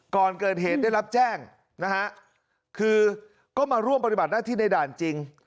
ก่อนเกิดเหตุได้รับแจ้งนะฮะคือก็มาร่วมปฏิบัติหน้าที่ในด่านจริง